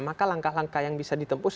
maka langkah langkah yang bisa ditempus